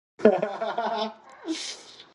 مورغاب سیند د افغان ځوانانو لپاره ډېره دلچسپي لري.